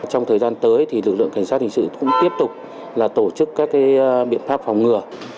trong thời gian tới thì lực lượng cảnh sát hình sự cũng tiếp tục tổ chức các biện pháp phòng ngừa